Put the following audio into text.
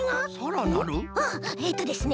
うんえっとですね